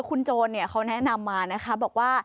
อันนี้แนะนำด้วยเหรอคะ